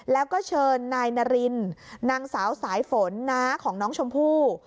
แล้วก็เชิญนายนารินนางสาวสายฝนน้าของน้องชมพู่